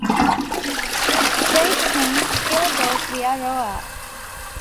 Freight trains still goes via Roa.